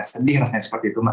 sedih rasanya seperti itu mbak